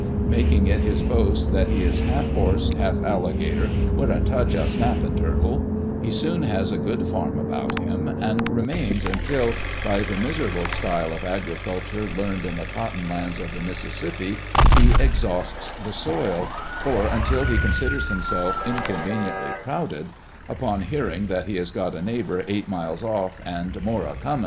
Making it his boast that he is " half horse, half alligator, wi' a touch uv the snappin' turtle," he soon has a good farm about him, and remains until, by the miserable style of agriculture learned in the cotton lands of the Mississippi, he exhausts the soil ; or until he considers himself inconveniently crowded, upon hearing that he has got a neighbour eight miles off, and "more a comin'."